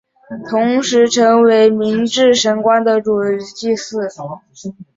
同时成为明治神宫的主祭司。